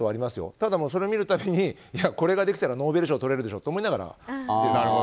ただ、それを見る度にこれができたらノーベル賞取れるでしょって。